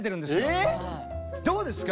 え⁉どうですか？